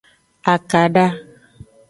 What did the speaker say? Akada.